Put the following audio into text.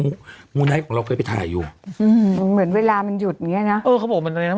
มูไนท์ของเราก็ไปถ่ายอยู่อืมเหมือนเวลามันหยุดแบบเงี้ยนะเออครับผมมัน